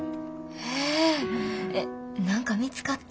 へええっ何か見つかった？